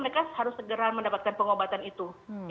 mereka harus segera mendapatkan pengobatan itu